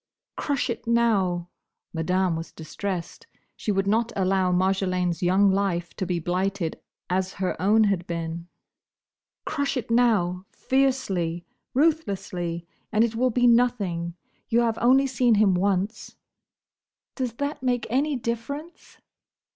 "Crush it now!" Madame was distressed. She would not allow Marjolaine's young life to be blighted as her own had been. "Crush it now! Fiercely! ruthlessly! and it will be nothing. You have only seen him once—" "Does that make any difference?"